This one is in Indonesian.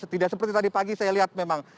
tidak seperti tadi pagi saya lihat memang